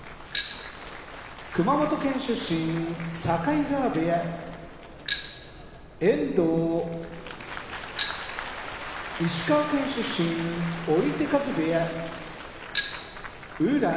熊本県出身境川部屋遠藤石川県出身追手風部屋宇良